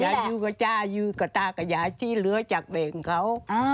อยู่กับจ้าอยู่กับตากับยายที่เหลือจากแบ่งเขา